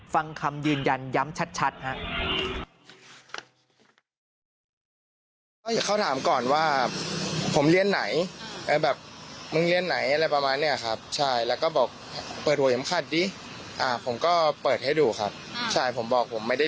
ฟังคำยืนยันย้ำชัดครับ